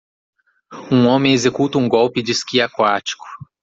Um homem executa um golpe de esqui aquático.